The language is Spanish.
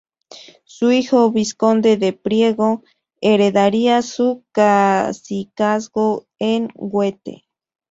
Su hijo, vizconde de Priego, "heredaría" su cacicazgo en Huete.